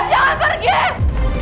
afif afif jangan pergi